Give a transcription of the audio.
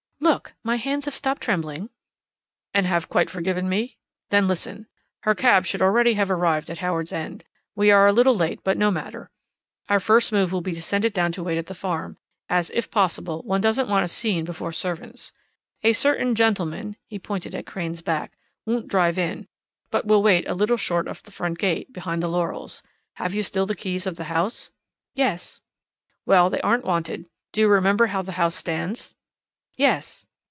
"Look! My hands have stopped trembling." "And have quite forgiven me? Then listen. Her cab should already have arrived at Howards End. (We're a little late, but no matter.) Our first move will be to send it down to wait at the farm, as, if possible, one doesn't want a scene before servants. A certain gentleman" he pointed at Crane's back "won't drive in, but will wait a little short of the front gate, behind the laurels. Have you still the keys of the house?" "Yes." "Well, they aren't wanted. Do you remember how the house stands?" "Yes."